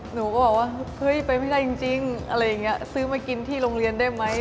หนูก็บอกว่าเฮ้ยไปไม่ได้จริงซื้อมากินที่โรงเรียนได้ไหม